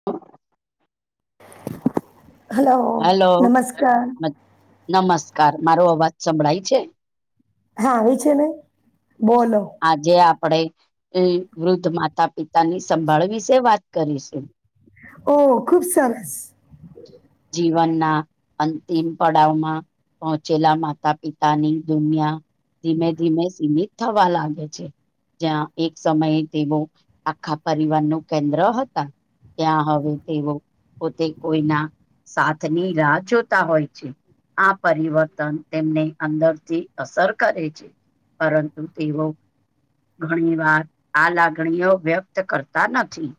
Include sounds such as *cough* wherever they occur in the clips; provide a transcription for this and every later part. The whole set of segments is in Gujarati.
*inaudible* હલો હલો નમસ્કાર નમસ્કાર મારો અવાજ સંભળાય છે? હા એ છે ને બોલો આજે આપણેે વૃદ્ધ માતા પિતા ની સંભાળ વિશે વાત કરીશું ઓહ ખુબ સરસ જીવનના અંતિમ પડાવમાં પહોંચેલા માતા પિતાની દુનિયા ધીમે ધીમે સીમિત થવા લાગે છે. જ્યાં એક સમયે તેઓ આખા પરિવાર નું કેન્દ્ર હતા ત્યાં હવે તેઓ પોતે કોઈના સાથની રાહ જોતા હોય છે. આ પરિવર્તન તેમને અંદરથી અસર કરે છે. પરંતુ તે ઘણી વાર આ લાગણીઓ વ્યક્ત કરતા નથી.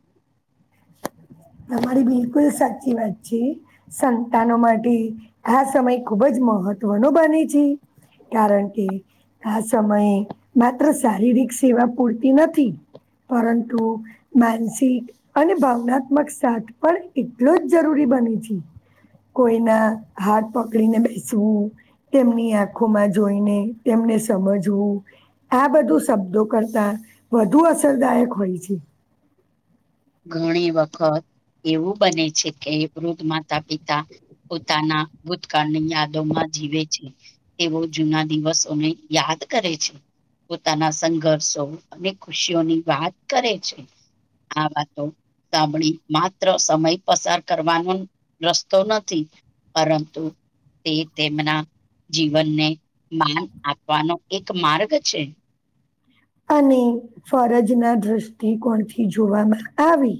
તમારી બિલકુલ સાચી વાત છે. સંતાનો માટે આ સમય ખુબ જ મહત્વનો બને છે. કારણ કે આ સમયે માત્ર શારીરિક સેવા પૂરતી નથી. પરંતુ માનસિક અને ભાવનાત્મક સાથ પણ એટલો જ જરૂરી બને છે. કોઈના હાથ પકડીને બેસવું તેમની આંખોમાં જોઈને તેમને સમજવું, આ બધું શબ્દો કરતા વધુ અસરદાયક હોય છે. ઘણી વખત એવું બને છે કે વૃદ્ધ માતા પિતા. પોતાના ભૂતકાળની યાદોમાં જીવે છે. એવો જૂના દિવસને યાદ કરે છે. પોતાના સંઘર્ષો અને ખુશીઓની વાત કરે છે આ વાત સાભણી માત્ર સમય પસાર કરવાનો રસ્તો નથી પરંતુ, તે તેમના જીવનને માન આપવાનો એક માર્ગ છે. અને ફરજ ના દ્રષ્ટિકોણથી જોવામાં આવી,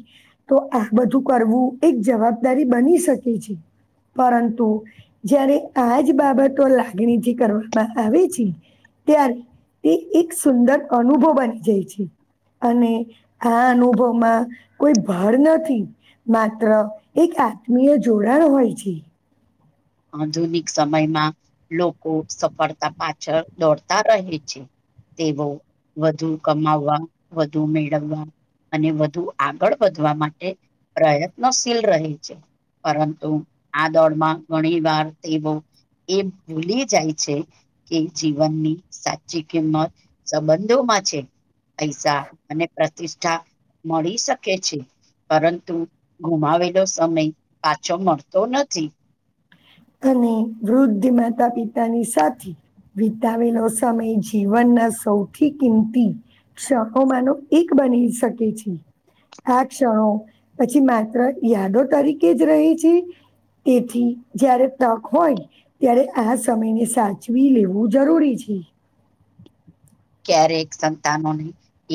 તો આ બધું કરવું એક જવાબદારી બની શકે છે. પરંતુ જ્યારે આજ બાબતો લાગણીથી કરવામાં આવે છે. ત્યારે તે એક સુંદર અનુભવ બની જાય છે. અને આ અનુભવમાં કોઈ ભાર નથી. માત્ર એક આત્મીય જોડાણ હોય છે. આધુનિક સમયમાં લોકો સફળતા પાછળ દોડતા રહે છે. તેવો વધુ કમાવવા, વધુ મેળવવા, અને વધુ આગળ વધવા માટે પ્રયત્નશીલ રહે છે. પરંતુ આ દોડમાં ઘણી વાર તે બવ. એ ભૂલી જાય છે. કે જીવનની સાચી કિંમત સંબંધોમાં છે. પૈસા અને પ્રતિષ્ઠા મળી શકે છે. પરંતુ ગુમાવેલો સમય પાછો મળતો નથી. અને વૃદ્ધ માતા પિતાની સાથે. વિતાવેલો સમય જીવનના સૌથી કિંમતી. છ હું માનો એક બની શકે છે. આ ક્ષણો પછી માત્ર યાદો તરીકે જ રહી છે? તેથી જયારે. તક હોય ત્યારે આ સમયને સાચવી લેવું જરૂરી છે. ક્યારેક સંતાનોને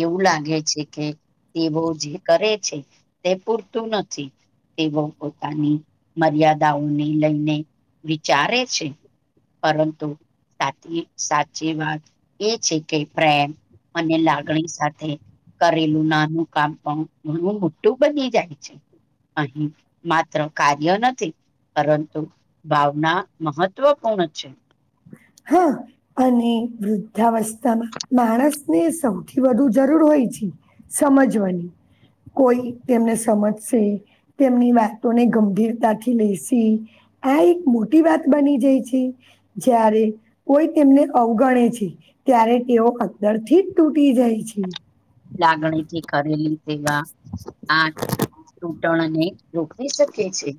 એવું લાગે છે કે તે બહુ જે કરે છે. તે પૂરતું નથી. તેઓ પોતાની મર્યાદાઓને લઈને વિચારે છે. પરંતુ સાચી સાચી વાત એ છે કે પ્રેમ અને લાગણી સાથે. કરેલું નાનું કામ પણ ઘણું મોટું બની જાય છે. અહીં માત્ર કાર્ય નથી, પરંતુ ભાવના મહત્વપૂર્ણ છે. હા. અને વૃદ્ધાવસ્થામાં માણસને સૌથી વધુ જરૂર હોય છે. સમજવાની કોઈ તેમને સમજશે, તેમની વાતોને ગંભીરતાથી લેશે, આ એક મોટી વાત બની જાય છે જ્યારે, કોઈ તેમને અવગણે છે ત્યારે તેઓ અંદરથી જ તૂટી જાય છે. લાગણીથી કરેલી તેવા આ ટૂટણને, રોકી શકે છે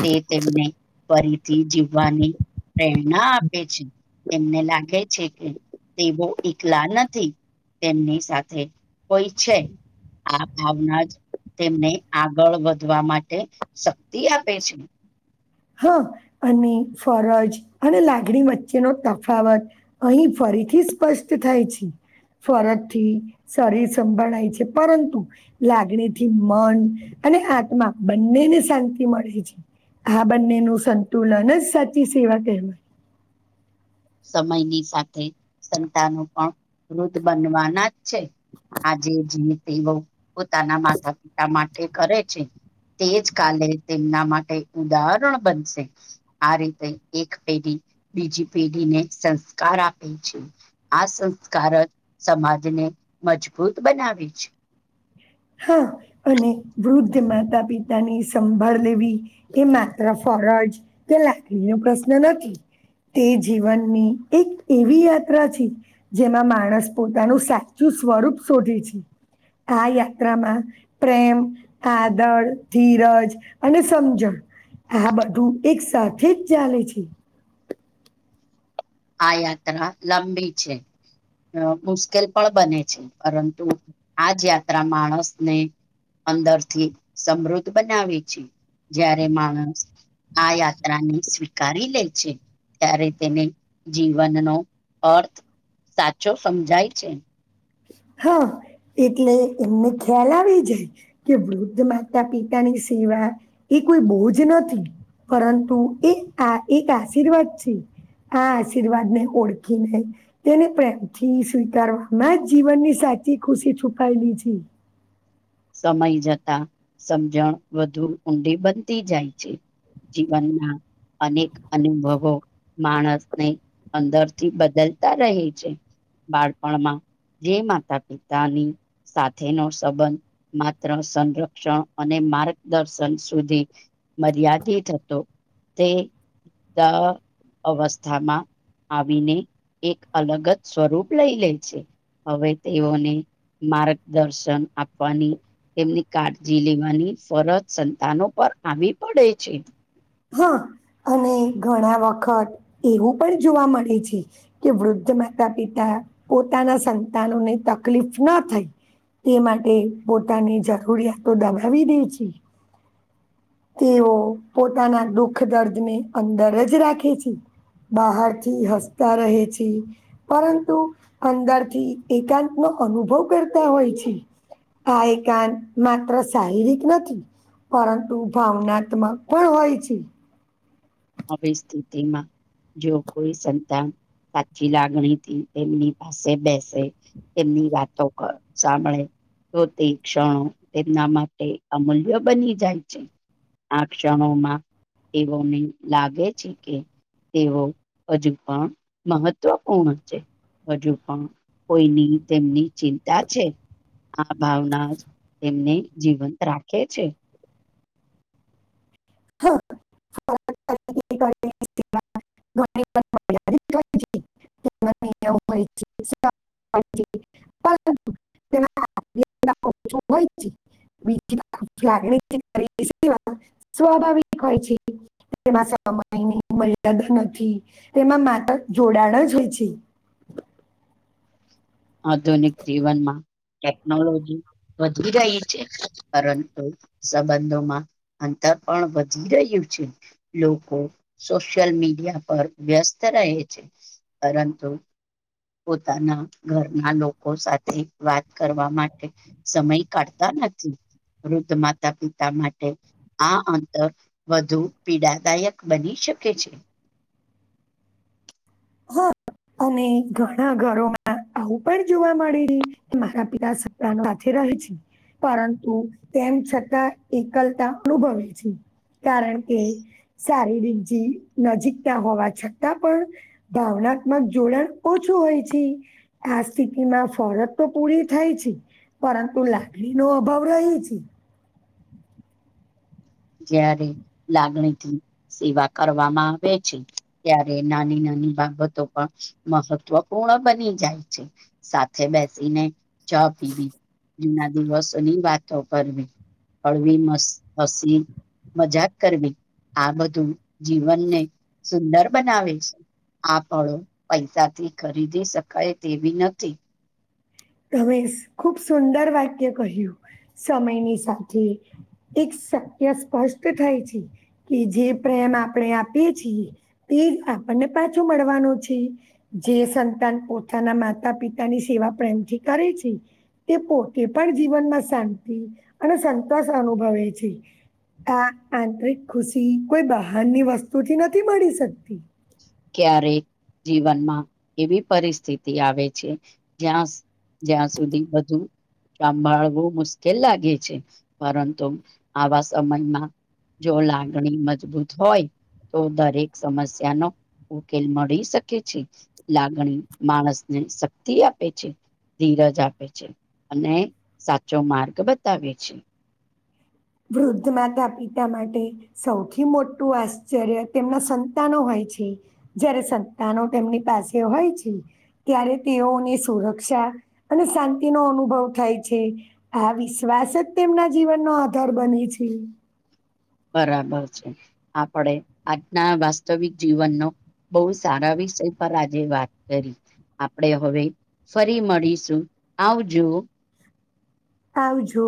તે તેમને ફરીથી જીવવાની પ્રેરણા આપે છે તેમને લાગે છે કે તેવો એકલા નથી તેમની સાથે હોય છે આ ભાવના જ તેમને આગળ વધવા માટે શક્તિ આપે છે હા અને ફરજ અને લાગણી વચ્ચેનોો તફાવત અહીં ફરીથી સ્પષ્ટ થાય છે ફરજથી શરીર સંભાળાય છે પરંતુ લાગણીથી મન અને આત્મા બંનેને શાંતિ મળે છે બંને નું સંતુલન સાચી સેવા કહેવાય સમયની સાથે સંતાનો પણ વૃધ બનવાના જ છે આજે જે તેવો પોતાના માતા પિતા માટે કરે છે તે જ કાલે તેમના માટે ઉદાહરણ બનશે આ રીતે એક પેઢી બીજી પેઢીને સંસ્કાર આપે છે આ સંસ્કાર જ સમાજને મજબૂત બનાવે છે હા અને વૃદ્ધ માતા પિતાની સંભાળ લેવી એ માત્ર ફરજ કે લાગણી નો પ્રશ્ન નથી તે જીવનની એક એવી યાત્રા છે જેમાં માણસ પોતાનું સાચું સ્વરૂપ શોધે છે આ યા માં પ્રેમ આદર ધીરજ અને સમજણ આ બધું એકસાથે જ ચાલેે છે આ યાત્રા લંબી છે અ મુશ્કેલ પણ બને છે પરંતુ આ જ યાત્રા માણસને અંદરથી સમૃદ્ધ બનાવે છે જયારે માણસ આ યાત્રાને સ્વીકારી લે છે ત્યારે તેને જીવનનોો અર્થ સાચો સમજાય છે હા એટલે એમને ખ્યાલ આવી જાય કે વૃદ્ધ માતા પિતાની સેવા એ કોઈ બોજ નથી પરંતુ એ આ એક આશીર્વાદ છે આ આશીર્વાદ ને ઓળખીને તેને પ્રેમથી સ્વીકારવામાં જ જીવનની સાચી ખુશી છુપાયેલી છે સમય જતા સમજણ વધુ ઊંડી બનતી જાય છે જીવનના અનેક અનુભવો માણસ નહી અંદર થી બદલતા રહે છે બાળપણમાં જે માતા પિતાની સાથેનોો સંબંધ માત્ર સંરક્ષણ અને માર્ગદર્શન સુધી મર્યાદિત હતો તે દ અવસ્થામાં આવીને એક અલગ જ સ્વરૂપ લઈ લે છે હવે તેઓને માર્ગદર્શન આપ વાની તેમની કાળજી લેવાની ફરજ સંતાનો પર આવી પડે છે હા અને ઘણા વખત એવું પણ જોવા મળે છે કે વૃદ્ધ માતા પિતા પોતાના સંતાનોને તકલીફ ના થઈ તે માટે પોતાની જરૂરિયાતો દબાવી દે છે તેઓ પોતાના દુઃખ દર્દ ને અંદર જ રાખે છે બહાર થી હસતા રહે છે પરંતુ અંદરથી એકાંત નો અનુભવ કરતા હોય છે આ એક કાન માત્ર શારીરિક નથી પરંતુ ભાવનાત્માં પણ હોય છે આવી સ્થિતિમાં જો કોઈ સંતાન સાચી લાગણી થી તેમની પાસે બેસે તેમની વાતો સાંભળે તો તે ક્ષણો તેમના માટે અમૂલ્ય બની જાય છે આ ક્ષણોમાં એવો ને લાગે છે કે તેવો હજુ પણ મહત્વપૂર્ણ છે હજુ પણ કોઈની તેમની ચિંતા છે આ ભાવના જ તેમને જીવંત રાખે છે હા મને *inaudible* *unintelligible* હોય બીજ લાગણી છે. સ્વાભાવિક હોય છે. એમાં સમયની મર્યાદા નથી એમાં માતા જોડાણ જ હોય છે. આધુનિક જીવનમાં ટેકનોલોજી વધી રહી છે, પરંતુ સંબંધોમાં અંતર પણ વધી રહ્યું છે. લોકો સોશિયલ મીડિયા પર વ્યસ્ત રહે છે. પરંતુ પોતાના ઘરના લોકો સાથે વાત કરવા માટે સમય કાઢતા નથી વૃદ્ધ માતા પિતા માટે આ અંતર વધુ પીડાદાયક બની શકે છે. હા, અને ઘણા ઘરોમાં આવું પણ જોવા મળે છે, કે મારા પિતા સપરા સાથેથે રહે છે. પરંતુ તેમ છતાં એકલતા અનુભવે છે. કારણ કે સારી રીજી નજીકતા હોવા છતાં પણ ભાવનાત્મક જોડાણ ઓછું હોય છે. આ સ્થિતિ માં ફરત તો પૂરી થાય છે. પરંતુ લાડણી નો અભાવ રહી છે. જયારે લાગણીથી સેવા કરવામાં આવે છે. ત્યારે નાની, નાની બાબતો પણ મહત્વપૂર્ણ બની જાય છે. સાથે બેસીને જ પીવી જુના દિવસની વાતો કરવી અળવી મસ અસી મજાક કરવી આ બધું જીવનને સુંદર બનાવે છે. આ, ફળો પૈસાથી ખરીદી શકાય તેવી નથી તમે ખુબ સુંદર વાક્ય કહ્યું સમયની સાથે એક શક્ય સ્પષ્ટ થાય છે, કે જે પ્રેમ આપણે આપીએ છીએ તે આપણને પાછું મળવાનું છે. જે સંતાન પોતાના માતા પિતાની સેવા પ્રેમથી કરે છે. તે પોતે પણ જીવનમાં શાંતિ અને, સંતોષ અનુભવે છે. આ આંતરિક ખુશી કોઈ બહારની વસ્તુથી નથી મળી શકતી ક્યારેક જીવનમાં એવી પરિસ્થિતિ આવે છે, જ્યાં જ્યાં સુધી બધું સાભળવું મુશ્કેલ લાગે છે, પરંતુ આવા સમયમાં જો, લાગણી મજબૂત હોય તો દરેક સમસ્યા નો ઉકેલ મળી શકે છે, લાગણી માણસને શક્તિ આપે છે. ધીરજ આપે છે અને સાચો માર્ગ બતાવે છે. વૃદ્ધ માતા પિતા માટે સૌથી મોટું આશ્ચર્ય તેમના સંતાનો હોય છે. જયારે સંતાનો તેમની પાસે હોય છે, ત્યારે તેઓની સુરક્ષા અને શાંતિ નો અનુભવ થાય છે, આ વિશ્વાસ જ તેમના જીવનનો ધર બની છે. બરાબર છે, આપડે આજના વાસ્તવિક જીવનનો બહુ સારા વિષય પર આજે વાત કરી આપણે હવે, ફરી મળીશું આવજો આવજો.